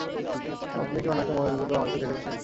আপনি কী উনাকে ময়ূরগুলো মারতে দেখেছেন?